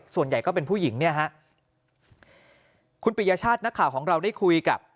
ส่วนใหญ่ก็เป็นผู้หญิงเนี่ยฮะคุณปิยชาตินักข่าวของเราได้คุยกับ